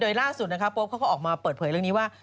โดยล่าสุดนะคะโป๊ปเขาก็ออกมาเปิดเผยเรื่องนี้ว่า